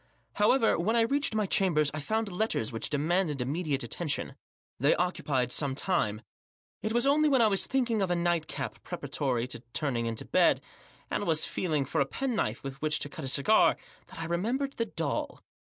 However, when I reached my chambers I found letters which demanded immediate attentioa They ooeupied some time. It was only when I was thinking of a nightcap preparatory to turning into bed, and was feeling for a penknife with which to cut a cigar, that I remembered the doll.